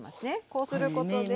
こうすることで。